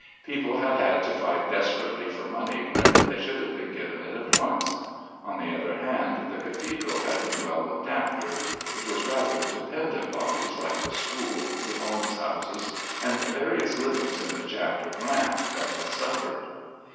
People had had to fight desperately for money when they should have been given it at once; on the other hand, the Cathedral had been well looked after it was rather dependent bodies like the School, the Almshouses, and various livings in the Chapter grant that had suffered.